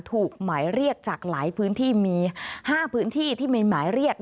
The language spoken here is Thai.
ถูกหมายเรียกจากหลายพื้นที่มี๕พื้นที่ที่มีหมายเรียก